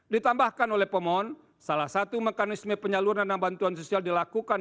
ditambahkan oleh pemohon salah satu mekanisme penyaluran dana bantuan sosial dilakukan